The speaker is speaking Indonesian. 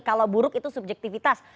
kalau buruk itu subjektifitas